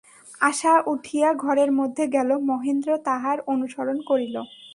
আশা উঠিয়া ঘরের মধ্যে গেল–মহেন্দ্র তাহার অনুসরণ করিল।